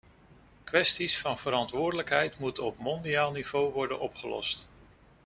Kwesties van verantwoordelijkheid moeten op mondiaal niveau worden opgelost.